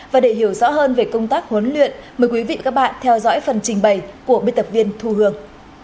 và để hiểu rõ hơn về công tác huấn luyện mời quý vị và các bạn theo dõi phần trình bày của biên tập viên thu hương